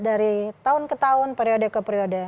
dari tahun ke tahun periode ke periode